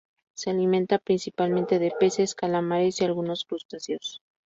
Se alimenta principalmente de peces, calamares y algunos crustáceos.